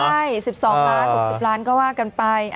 ใช่๑๒ล้าน๖๐ล้านก็ว่ากันไป